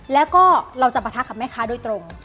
แล้วก็เราจะปะทะกับแม่ค้าโดยตรง